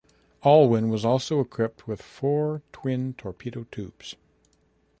"Aylwin" was also equipped with four twin torpedo tubes.